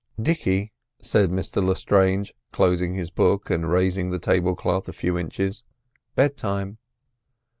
"Dicky," said Mr Lestrange, closing his book, and raising the table cloth a few inches, "bedtime."